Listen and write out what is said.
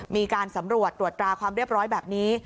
มีการสำรวจตรวจตราความเรียบร้อยแบบนี้